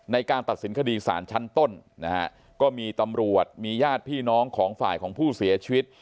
ในการตัดสินคดีสารชั้นต้นนะฮะก็มีตำรวจมีญาติพี่น้องของฝ่ายของผู้เสียชีวิต